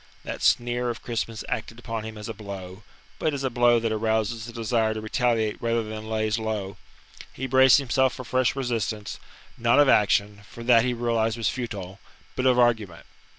That sneer of Crispin's acted upon him as a blow but as a blow that arouses the desire to retaliate rather than lays low. He braced himself for fresh resistance; not of action, for that he realized was futile, but of argument.